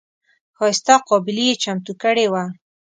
ښایسته قابلي یې چمتو کړې وه.